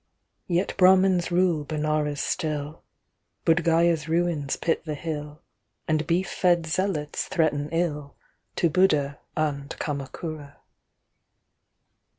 Yet Brahmans rule Benares still, Buddh Gaya's ruins pit the hill, And beef fed zealots threaten illTo Buddha and Kamakura.